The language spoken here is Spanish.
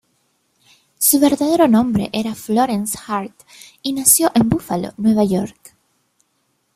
Su verdadero nombre era Florence Hart, y nació en Búfalo, Nueva York.